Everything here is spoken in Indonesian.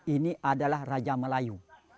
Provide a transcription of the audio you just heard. ini adalah raja melayu